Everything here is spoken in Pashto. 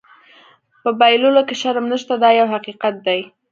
په بایللو کې شرم نشته دا یو حقیقت دی.